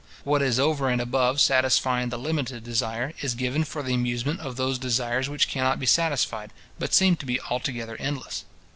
What is over and above satisfying the limited desire, is given for the amusement of those desires which cannot be satisfied, but seem to be altogether endless.